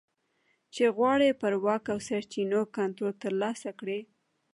چې غواړي پر واک او سرچینو کنټرول ترلاسه کړي